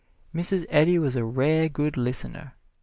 Mrs. Eddy was a rare good listener.